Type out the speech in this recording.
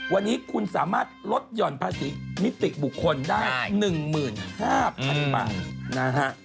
วันนี้คุณสามารถลดหย่อนภาษีนิติบุคคลได้๑๕๐๐๐บาทนะฮะ